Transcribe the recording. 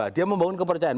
dia membangun kepercayaan